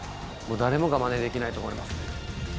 誰もがまねできないと思います。